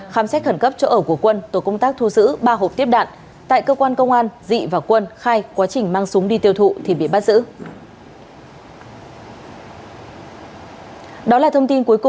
khám xét khẩn cấp chỗ ở của quân tổ công tác thu giữ ba hộp tiếp đạn tại cơ quan công an dị và quân khai quá trình mang súng đi tiêu thụ thì bị bắt giữ